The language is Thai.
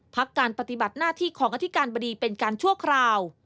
พักการปฏิบัติหน้าที่ของอธิการบดีเป็นการชั่วคราว